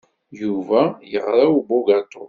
Yuba yeɣra i ubugaṭu.